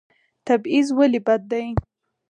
تبعیض ولې بد دی؟